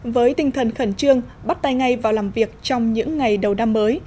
với tinh thần khẩn trương bắt tay ngay vào làm việc trong những ngày đầu năm mới